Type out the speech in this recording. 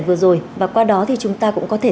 vừa rồi và qua đó thì chúng ta cũng có thể